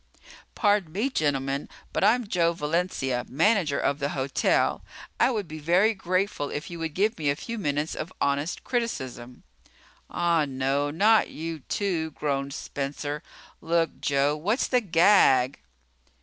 "Pardon me, gentlemen, but I'm Joe Valencia, manager of the hotel. I would be very grateful if you would give me a few minutes of honest criticism." "Ah, no, not you, too," groaned Spencer. "Look, Joe, what's the gag?"